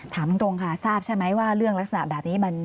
ถามตรงค่ะทราบใช่ไหมว่าเรื่องลักษณะแบบนี้มัน